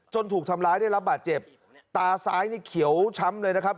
ถูกทำร้ายได้รับบาดเจ็บตาซ้ายนี่เขียวช้ำเลยนะครับ